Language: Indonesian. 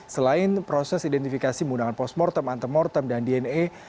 selain proses identifikasi menggunakan post mortem antemortem dan dna